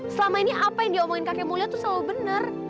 selama ini apa yang diomongin kakek mulia tuh selalu benar